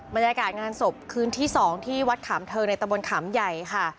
บรรยากาศงานศพคืนที่๒ที่วัดขามเทิงในตะบนขามใหญ่ค่ะ